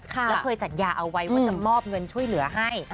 แล้วเคยสัญญาเอาไว้ว่าจะมอบเงินช่วยเหลือให้